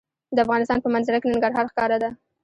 د افغانستان په منظره کې ننګرهار ښکاره ده.